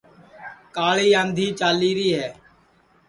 کاݪی آنٚدھی چالی ری ہے